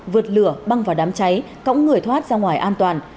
vượt lửa băng vào đám cháy cõng người thoát ra ngoài an toàn